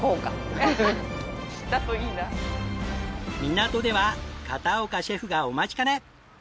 港では片岡シェフがお待ちかね。